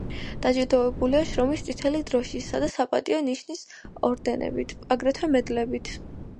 დაჯილდოებულია შრომის წითელი დროშისა და „საპატიო ნიშნის“ ორდენებით, აგრეთვე მედლებით.